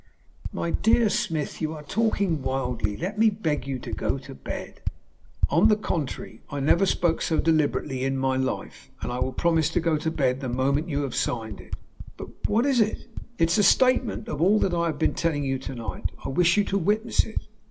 "My dear Smith, you are talking wildly. Let me beg you to go to bed." "On the contrary, I never spoke so deliberately in my life. And I will promise to go to bed the moment you have signed it." "But what is it?" "It is a statement of all that I have been telling you to night. I wish you to witness it."